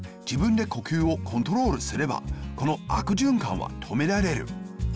じぶんで呼吸をコントロールすればこのあくじゅんかんはとめられる。